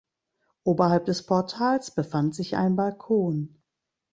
Oberhalb des Portals befand sich ein Balkon.